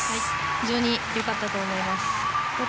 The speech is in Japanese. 非常に良かったと思います。